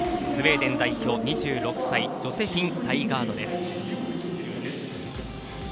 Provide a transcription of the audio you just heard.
スウェーデン代表２６歳ジョセフィン・タイガードです。